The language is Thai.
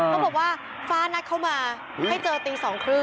เขาบอกว่าฟ้านัดเข้ามาให้เจอตี๒๓๐